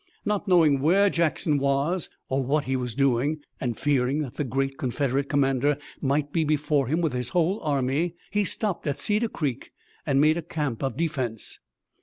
Not knowing where Jackson was or what he was doing, and fearing that the great Confederate commander might be before him with his whole army, he stopped at Cedar Creek and made a camp of defense.